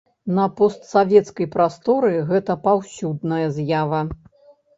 На постсавецкай прасторы гэта паўсюдная з'ява.